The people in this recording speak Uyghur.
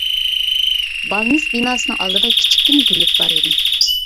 بالنىست بىناسىنىڭ ئالدىدا كىچىككىنە گۈللۈك بار ئىدى.